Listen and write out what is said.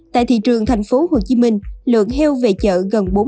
tại thị trường thành phố hồ chí minh lượng heo về chợ gần bốn tám trăm linh con